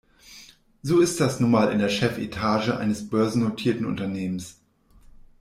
So ist das nun mal in der Chefetage eines börsennotierten Unternehmens.